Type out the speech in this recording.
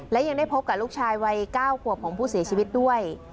และยังได้พบกับลูกชายวัย๙ขวบของผู้เสียชีวิตด้วย